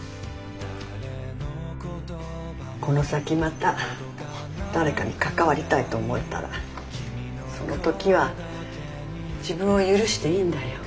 この先また誰かに関わりたいと思えたらその時は自分を許していいんだよ。